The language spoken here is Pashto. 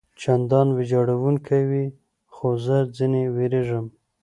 چندان ویجاړوونکي وي، خو زه ځنې وېرېږم.